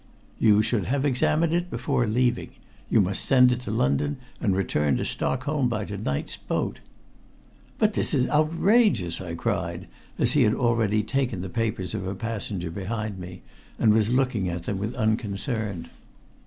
"You should have examined it before leaving. You must send it to London, and return to Stockholm by to night's boat." "But this is outrageous!" I cried, as he had already taken the papers of a passenger behind me and was looking at them with unconcern.